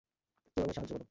কেউ আমায় সাহায্য করো!